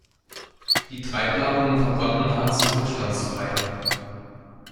Die Treibladungen verbrannten nahezu rückstandsfrei.